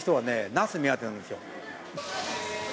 ナスが目当てなんですよ。